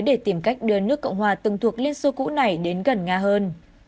để tìm cách đưa nước cộng hòa từng thuộc liên xô cũ này đến gần nga hơn